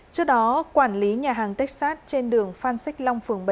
trước đó quản lý nhà hàng texas trên đường phan xích long phường bảy